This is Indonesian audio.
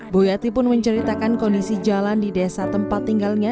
boyati pun menceritakan kondisi jalan di desa tempat tinggalnya